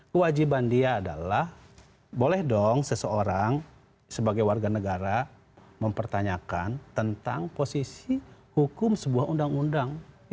kewajiban dia adalah boleh dong seseorang sebagai warga negara mempertanyakan tentang posisi hukum sebuah undang undang